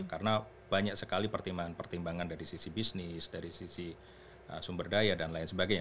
karena banyak sekali pertimbangan pertimbangan dari sisi bisnis dari sisi sumber daya dan lain sebagainya